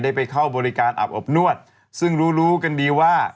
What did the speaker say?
ไปเข้าบริการอาบอบนวดซึ่งรู้รู้กันดีว่า